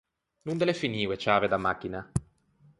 Donde l’é finio e ciave da machina?